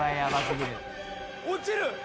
落ちる。